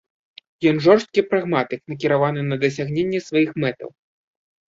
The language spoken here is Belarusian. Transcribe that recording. Ён жорсткі прагматык, накіраваны на дасягненне сваіх мэтаў.